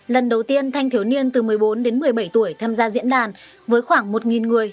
lần đầu tiên thanh thiếu niên từ một mươi bốn đến một mươi bảy tuổi tham gia diễn đàn với khoảng một người